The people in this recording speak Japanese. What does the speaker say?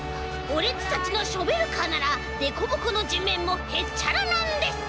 オレっちたちのショベルカーならでこぼこのじめんもへっちゃらなんです！